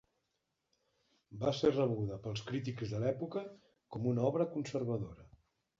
Va ser rebuda pels crítics de l'època com una obra conservadora.